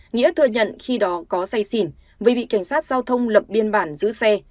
nhĩa thừa nhận khi đó có say xin vì bị cảnh sát giao thông lập biên bản giữ xe